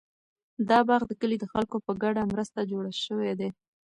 دا باغ د کلي د خلکو په ګډه مرسته جوړ شوی دی.